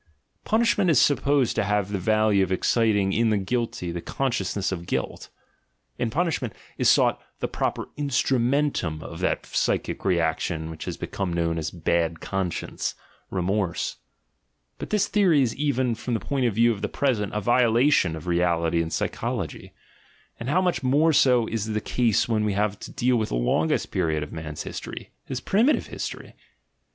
Punishment is supposed to have the value of exciting in the guilty the consciousness of guilt; in punishment is sought the proper instrumcntum of that psychic reaction which becomes known as a "bad conscience," "remorse." But this theory is even, from the point of view of the present, a violation of reality and psychology: and how much more so is the case when we have to deal with the longest period of man's history, his primitive history!